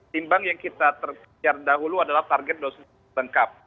timbang yang kita terkejar dahulu adalah target dosis lengkap